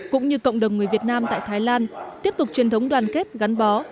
cũng như cộng đồng người việt nam tại thái lan tiếp tục truyền thống đoàn kết gắn bó